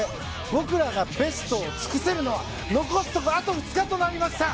僕らがベストを尽くせるのは残すところあと２日となりました。